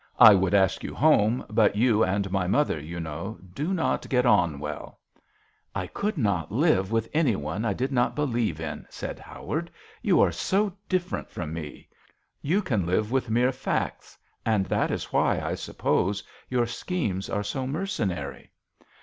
I would ask you home, but you and my mother, you know, do not get on well/' " I could not live with any one I did not believe in," said Howard; "you are so different from me. You can live with mere facts, and that is why, I suppose, your schemes are so mercenary.